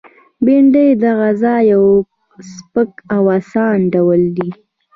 بېنډۍ د غذا یو سپک او آسانه ډول دی